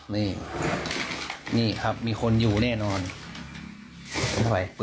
นี่มีคนนอนนะครับ